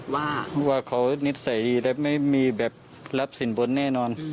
ว่าเพราะว่าเขานิสัยไม่มีแบบรับสินบ้นแน่นอน